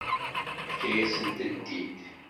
Yefka-yasent-tent-id.